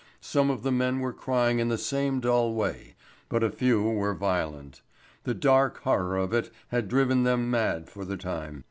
Some of the men were crying in the same dull way, but a few were violent. The dark horror of it had driven them mad for the time.